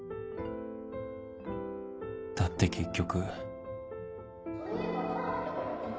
だって結局